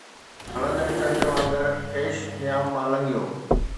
ھلندڙ چنڊ وانگر، ايش نيام مان لنگھيو